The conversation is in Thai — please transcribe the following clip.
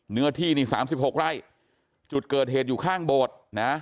เนื้อที่นี่๓๖ไร่จุดเกิดเหตุอยู่ข้างโบสถ์นะ